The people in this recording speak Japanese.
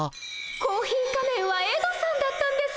コーヒー仮面はエドさんだったんですね。